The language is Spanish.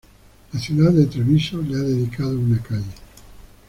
La ciudad de Treviso le ha dedicado una calle.